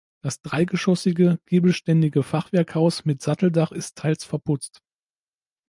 Das dreigeschossige giebelständige Fachwerkhaus mit Satteldach ist teils verputzt.